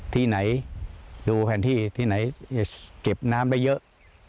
ที่ไหนดูแผนที่ที่ไหนเก็บน้ำได้เยอะ